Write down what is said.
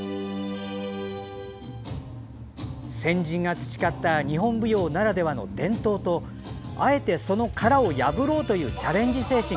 先人が培った日本舞踊ならではの伝統とあえて、その殻を破ろうというチャレンジ精神。